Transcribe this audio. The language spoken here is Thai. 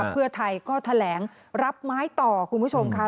เพื่อไทยก็แถลงรับไม้ต่อคุณผู้ชมค่ะ